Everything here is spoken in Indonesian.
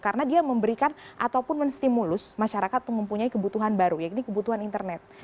karena dia memberikan ataupun menstimulus masyarakat untuk mempunyai kebutuhan baru yaitu kebutuhan internet